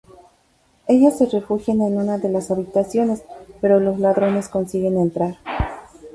Ellas se refugian en una de las habitaciones, pero los ladrones consiguen entrar.